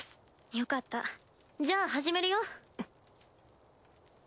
よかったじゃあ始めるよ。